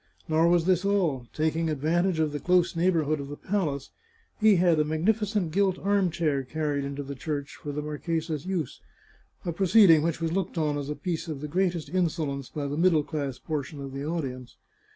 Nor was this all. Taking advantage of the close neighbourhood of the palace, he had a magnificent gilt arm chair carried into the church for the marchesa's use — a proceeding which was 526 The Chartreuse of Parma looked on as a piece of the greatest insolence by the middle class portion of the audience.